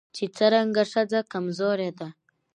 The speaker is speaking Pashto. چې څرنګه ښځه کمزورې ده